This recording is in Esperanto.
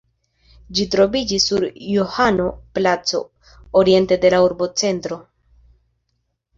Ĝi troviĝis sur Johano-placo, oriente de la urbocentro.